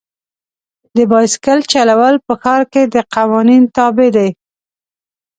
د بایسکل چلول په ښار کې د قوانین تابع دي.